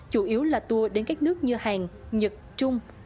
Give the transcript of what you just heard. chủ yếu là tour đến các nước như hàn nhật trung